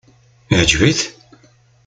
Iɛǧeb-it?